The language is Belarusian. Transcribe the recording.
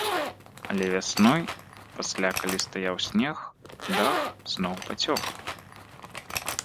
Але вясной, пасля калі стаяў снег, дах зноў пацёк.